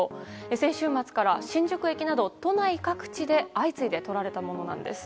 先週末から新宿駅など都内各地で相次いで撮られたものなんです。